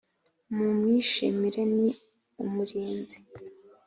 mu mwishimire ni umurinzi